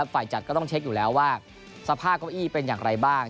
ฝ่ายจัดก็ต้องเช็คอยู่แล้วว่าสภาพเก้าอี้เป็นอย่างไรบ้าง